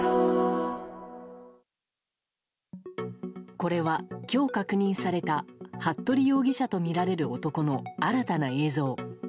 これは今日確認された服部容疑者とみられる男の新たな映像。